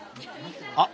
あっ！